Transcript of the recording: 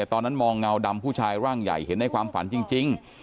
ตอนนั้นมองเงาดำผู้ชายร่างใหญ่เห็นในความฝันจริง